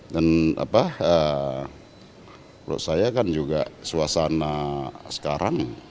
dan menurut saya kan juga suasana sekarang